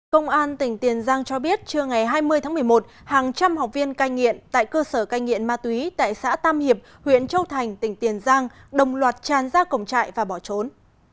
công an tỉnh tiền giang cho biết trưa ngày hai mươi tháng một mươi một hàng trăm học viên cai nghiện tại cơ sở cai nghiện ma túy tại xã tam hiệp huyện châu thành tỉnh tiền giang đồng loạt tràn ra cổng trại và bỏ trốn